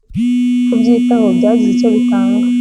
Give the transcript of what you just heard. Kubyitaho byagize icyo bitanga